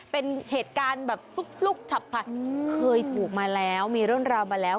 เป็นเหตุการณ์แบบฟลุกฉับพลันเคยถูกมาแล้วมีเรื่องราวมาแล้ว